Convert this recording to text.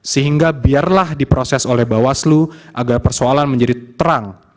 sehingga biarlah diproses oleh bawaslu agar persoalan menjadi terang